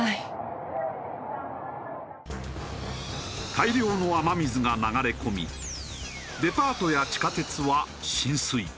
大量の雨水が流れ込みデパートや地下鉄は浸水。